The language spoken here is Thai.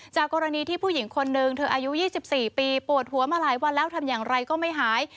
จากกรณีที่ผู้หญิงคนนึงเธออายุ๒๔ปีปวดหัวมาหลายวันแล้วทำอย่างไรก็ไม่หาย